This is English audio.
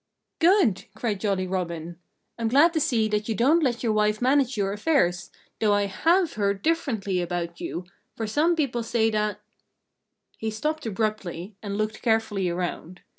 "Good!" cried Jolly Robin. "I'm glad to see that you don't let your wife manage your affairs, though I have heard differently about you, for some people say that " He stopped abruptly and looked carefully around.